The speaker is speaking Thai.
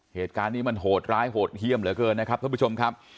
เหตุการณ์นี้มันโหดร้ายโหดเยี่ยมเหลือเกินนะครับท่านผู้ชมครับ